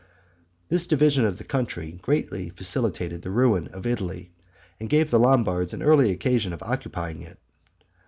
This division of the country greatly facilitated the ruin of Italy, and gave the Lombards an early occasion of occupying it.